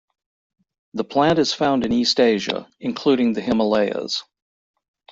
The plant is found in East Asia, including the Himalayas.